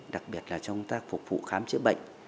đặc biệt là chúng ta phục vụ khám chữa bệnh